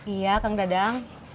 iya kang dadang